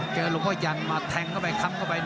หลวงพ่อยันมาแทงเข้าไปค้ำเข้าไป